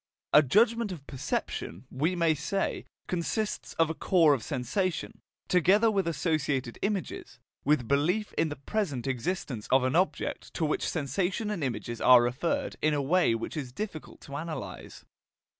A judgment of perception, we may say, consists of a core of sensation, together with associated images, with belief in the present existence of an object to which sensation and images are referred in a way which is difficult to analyse.